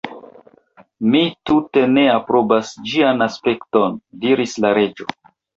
"Mi tute ne aprobas ĝian aspekton," diris la Reĝo.